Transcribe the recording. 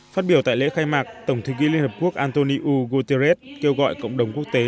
phát biểu tại lễ khai mạc tổng thư ký liên hợp quốc antonio guterres kêu gọi cộng đồng quốc tế